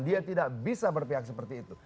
dia tidak bisa berpihak seperti itu